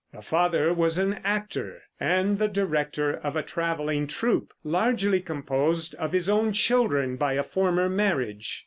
The father was an actor, and the director of a traveling troupe, largely composed of his own children by a former marriage.